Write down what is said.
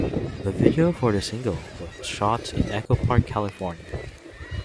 The video for the single was shot in Echo Park, California.